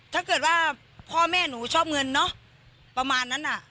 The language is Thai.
ถ้าเกิดว่าพ่อแม่หนูชอบเงินเนอะประมาณนั้นอ่ะ